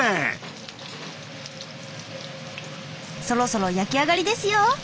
そろそろ焼き上がりですよ。